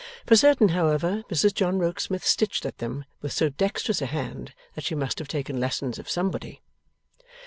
For certain, however, Mrs John Rokesmith stitched at them with so dexterous a hand, that she must have taken lessons of somebody.